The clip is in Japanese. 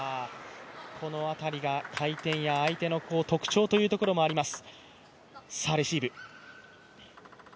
この辺りが回転や相手の特徴というところもあります。